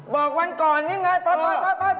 บอกวันก่อนนี้ไงไป